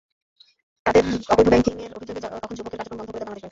অবৈধ ব্যাংকিংয়ের অভিযোগে তখন যুবকের কার্যক্রম বন্ধ করে দেয় বাংলাদেশ ব্যাংক।